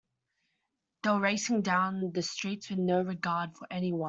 They were racing down the streets with no regard for anyone.